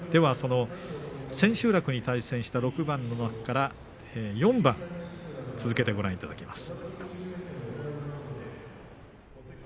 千秋楽に対戦した６番の中から４番続けてご覧いただきます。